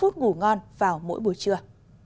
hút ngủ ngon vào mỗi buổi trưa